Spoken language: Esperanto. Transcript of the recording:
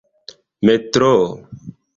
metroo